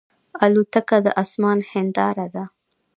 الوتکه د آسمان هنداره ده.